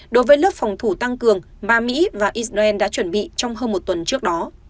đối với lớp phòng thủ tăng cường mà mỹ và israel đã chuẩn bị trong hơn một tuần trước đó